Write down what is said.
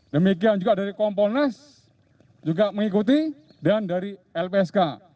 demikian juga dari kompolnas juga mengikuti dan dari lpsk